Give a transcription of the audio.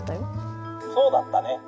「そうだったね」。